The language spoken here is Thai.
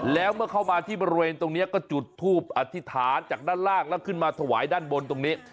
แล้วเมื่อเข้ามาที่บริเวณตรงนี้ก็จุดทูปอธิษฐานจากด้านล่างแล้วขึ้นมาถวายด้านบนตรงนี้